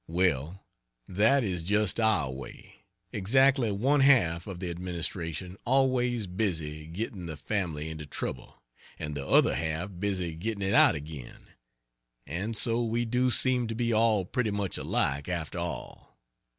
Well, that is just our way, exactly one half of the administration always busy getting the family into trouble, and the other half busy getting it out again. And so we do seem to be all pretty much alike, after all.